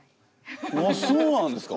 そうなんですか？